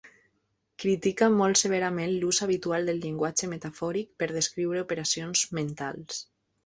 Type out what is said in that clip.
Critica molt severament l'ús habitual del llenguatge metafòric per descriure operacions mentals.